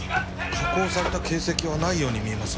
加工された形跡はないように見えます。